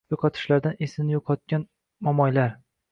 Yo’qotishlardan esini yo’qotgan momoylar